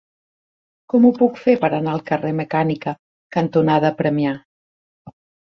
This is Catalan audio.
Com ho puc fer per anar al carrer Mecànica cantonada Premià?